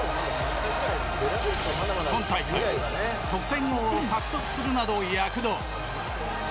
今大会得点王を獲得するなど躍動。